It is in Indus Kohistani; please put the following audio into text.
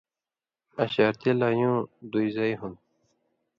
اشارتیۡ لا یُوں دُوۡیں زئ ہون٘دیۡ؛